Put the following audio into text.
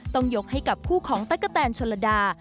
ต้องยกให้กับคู่ของตั๊กกะแตนชนระดา